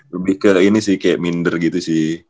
lebih ke ini sih kayak minder gitu sih